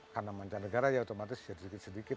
karena macam negara ya otomatis sedikit sedikit